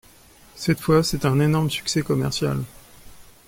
Cette fois, c'est un énorme succès commercial.